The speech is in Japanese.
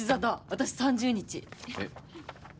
私３０日。